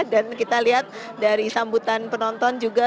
dan kita lihat dari sambutan penonton juga